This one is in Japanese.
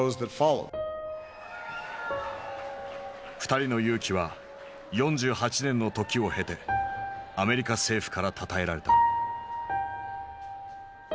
２人の勇気は４８年の時を経てアメリカ政府からたたえられた。